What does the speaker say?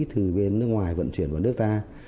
thừ bên nước ngoài vận chuyển vào nước ta